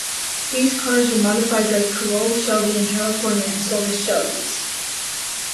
These cars were modified by Carroll Shelby in California and sold as Shelbys.